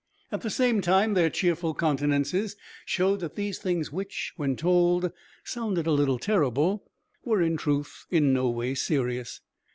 At the same time their cheerful countenances showed that these things which, when told, sounded a little terrible, were in truth in no way serious.